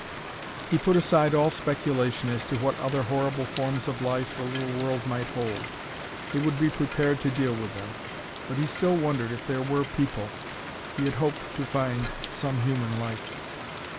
He put aside all speculation as to what other horrible forms of life the little world might hold: he would be prepared to deal with them. But he still wondered if there were people. He had hoped to find some human life.